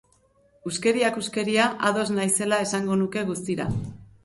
Huskeriak huskeria, ados naizela esango nuke guztira.